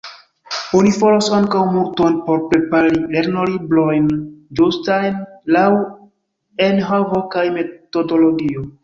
Oni faras ankaŭ multon por prepari lernolibrojn ĝustajn laŭ enhavo kaj metodologio.